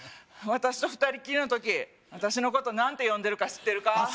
私と二人っきりの時私のこと何て呼んでるか知ってるか？